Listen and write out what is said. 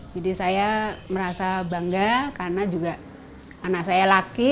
jadi saya merasa bangga karena juga anak saya laki